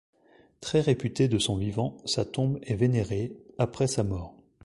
Très réputé de son vivant, sa tombe est vénérée après sa mort.